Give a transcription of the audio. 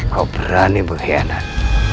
kau berani mengkhianat